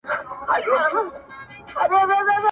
• پلاره هیڅ ویلای نه سمه کړېږم,